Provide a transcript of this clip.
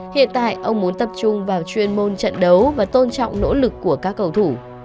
hiện tại ông muốn tập trung vào chuyên môn trận đấu và tôn trọng nỗ lực của các cầu thủ